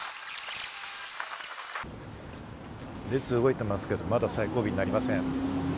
列動いてますけれども、まだ最後尾になりません。